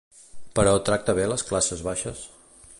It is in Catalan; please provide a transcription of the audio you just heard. Però tracta bé les classes baixes?